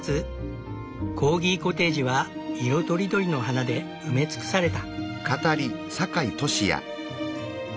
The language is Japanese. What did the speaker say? コーギコテージは色とりどりの花で埋め尽くされた。